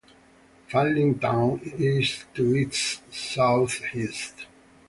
Fanling Town is to its southeast.